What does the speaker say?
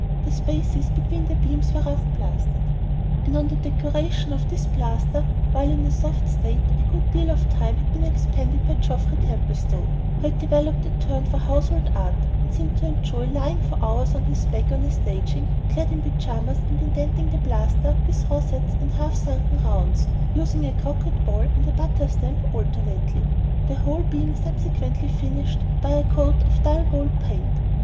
The spaces between the beams were rough plastered; and on the decoration of this plaster, while in a soft state, a good deal of time had been expended by Geoffrey Templestowe, who had developed a turn for household art, and seemed to enjoy lying for hours on his back on a staging, clad in pajamas and indenting the plaster with rosettes and sunken half rounds, using a croquet ball and a butter stamp alternately, the whole being subsequently finished by a coat of dull gold paint.